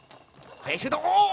速いシュート。